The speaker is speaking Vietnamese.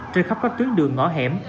trên khắp các tuyến đường ngõ hẻm